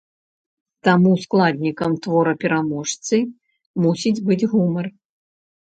Таму складнікам твора-пераможцы мусіць быць гумар.